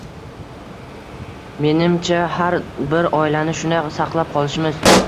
Menimcha har bir oilani shunday saqlab qolishimiz